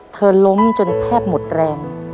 ล้มจนแทบหมดแรง